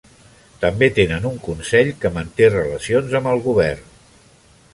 També tenen un consell que manté relacions amb el govern.